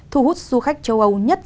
thu hút du khách châu âu nhất